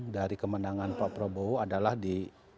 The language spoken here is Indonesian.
dari kemenangan pak prabowo adalah di